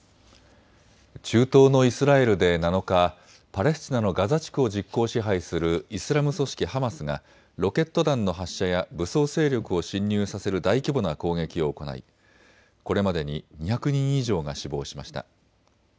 中東のイスラエルで７日、パレスチナのガザ地区を実効支配するイスラム組織ハマスがロケット弾の発射や武装勢力を侵入させる大規模な攻撃を行いこれまでに２００人以上が死亡しました。